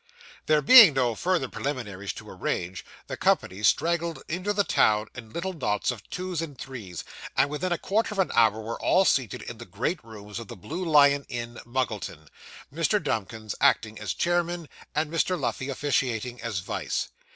There being no further preliminaries to arrange, the company straggled into the town in little knots of twos and threes; and within a quarter of an hour were all seated in the great room of the Blue Lion Inn, Muggleton Mr. Dumkins acting as chairman, and Mr. Luffey officiating as vice.